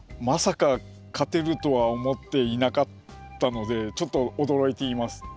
まさか勝てるとは思っていなかったのでちょっと驚いています。